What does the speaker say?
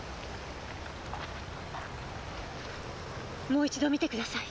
もう一度見てください。